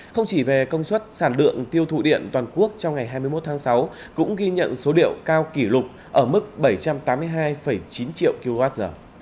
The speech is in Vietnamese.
không chỉ về công suất sản lượng tiêu thụ điện toàn quốc trong ngày hai mươi một tháng sáu cũng ghi nhận số liệu cao kỷ lục ở mức bảy trăm tám mươi hai chín triệu kwh